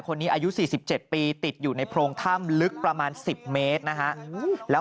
อายุ๔๗ปีติดอยู่ในโพรงถ้ำลึกประมาณ๑๐เมตรนะฮะแล้ว